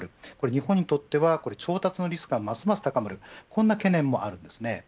日本にとっては調達のリスクがますます高まる懸念もあります。